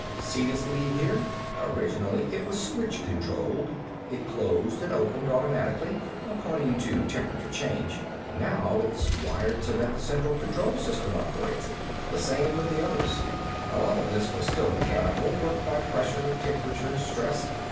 "See this lead here? Originally it was switch controlled. It closed and opened automatically, according to temperature change. Now it's wired so that the central control system operates it. The same with the others. A lot of this was still mechanical, worked by pressure, temperature, stress.